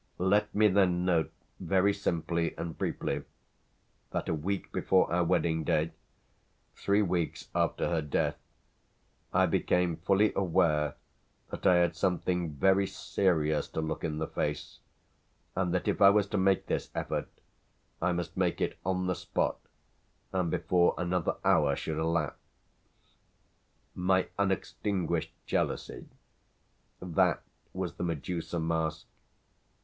Let me then note very simply and briefly that a week before our wedding day, three weeks after her death, I became fully aware that I had something very serious to look in the face, and that if I was to make this effort I must make it on the spot and before another hour should elapse. My unextinguished jealousy that was the Medusa mask.